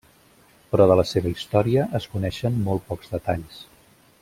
Però de la seva història es coneixen molt pocs detalls.